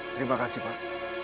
terima kasih pak